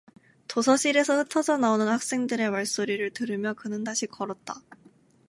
도서실에서 흩어져 나오는 학생들의 말소리를 들으며 그는 다시 걸었다.